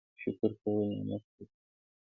شکر کول نعمت زیاتوي